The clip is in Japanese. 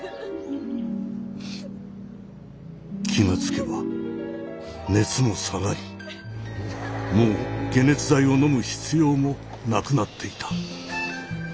気が付けば熱も下がりもう解熱剤をのむ必要もなくなっていた。